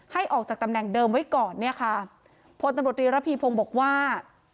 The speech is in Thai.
ให้ออกจากตำแหน่งเดิมไว้ก่อนเนี่ยค่ะพลตำรวจรีระพีพงศ์บอกว่า